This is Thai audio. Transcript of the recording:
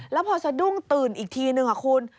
แล้วพอสะดุ้งตื่นอีกทีนึงค่ะคุณ